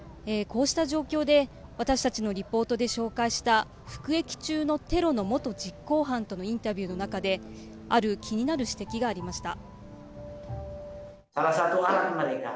こうした状況で私たちのリポートで紹介した服役中のテロの元実行犯とのインタビューの中である気になる指摘がありました。